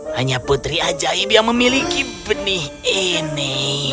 hanya putri ajaib yang memiliki benih ini